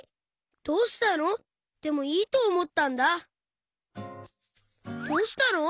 「どうしたの？」でもいいとおもったんだ。